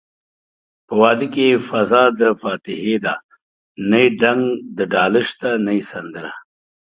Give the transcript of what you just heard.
په واده کې يې فضادفاتحې ده نه يې ډنګ دډاله شته نه يې سندره